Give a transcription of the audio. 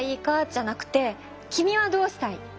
じゃなくて君はどうしたい？